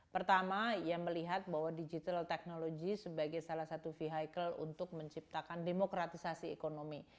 pertama ia melihat bahwa digital technology sebagai salah satu vehicle untuk menciptakan demokratisasi ekonomi